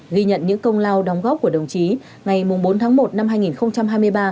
ghi nhận những công lao đóng góp của đồng chí ngày bốn tháng một năm hai nghìn hai mươi ba